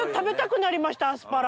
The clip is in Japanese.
アスパラ。